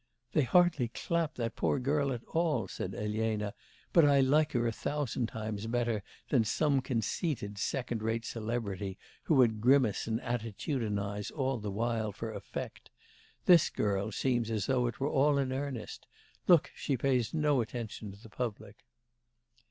'They hardly clap that poor girl at all,' said Elena, 'but I like her a thousand times better than some conceited second rate celebrity who would grimace and attitudinise all the while for effect. This girl seems as though it were all in earnest; look, she pays no attention to the public.